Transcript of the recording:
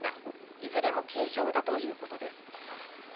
いずれも軽傷だということです。